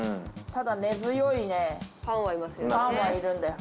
ただ根強いね、ファンはいるんだよ。